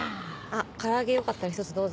唐揚げよかったら１つどうぞ。